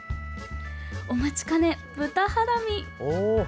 お待ちかね、豚ハラミ。